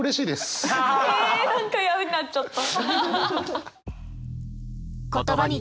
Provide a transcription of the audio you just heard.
え何か嫌になっちゃった。